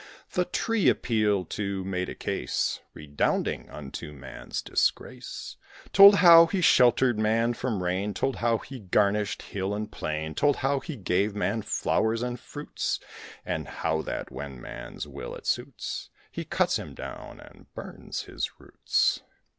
The tree, appealed to, made a case Redounding unto Man's disgrace; Told how he sheltered Man from rain, Told how he garnished hill and plain, Told how he gave Man flowers and fruits, And how that, when Man's will it suits, He cuts him down and burns his roots!